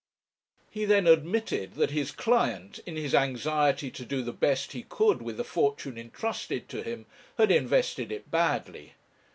He then admitted that his client, in his anxiety to do the best he could with the fortune entrusted to him, had invested it badly.